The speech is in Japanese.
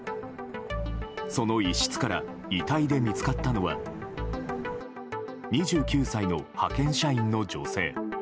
その一室から遺体で見つかったのは２９歳の派遣社員の女性。